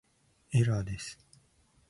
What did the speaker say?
エラーです